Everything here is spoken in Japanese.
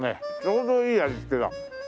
ちょうどいい味付けだ。